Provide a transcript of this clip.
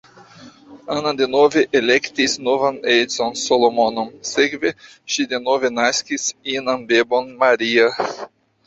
Anna denove elektis novan edzon Solomon, sekve ŝi denove naskis inan bebon Maria.